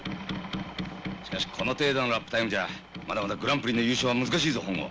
しかしこの程度のラップタイムじゃまだまだグランプリの優勝は難しいぞ本郷。